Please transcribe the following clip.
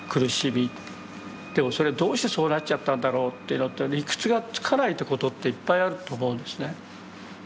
でもそれどうしてそうなっちゃったんだろうという理屈がつかないってことっていっぱいあると思うんですね。